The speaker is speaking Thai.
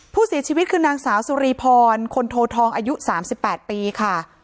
ผู้เสียชีวิตคือนางสาวสุรีพรคนโททองอายุ๓๘ปีค่ะ